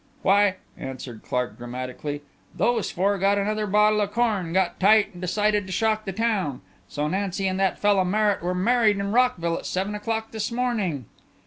"Why," announced Clark dramatically, "those four got another bottle of corn, got tight and decided to shock the town so Nancy and that fella Merritt were married in Rockville at seven o'clock this morning."